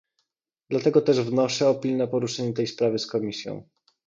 Dlatego też wnoszę o pilne poruszenie tej sprawy z Komisją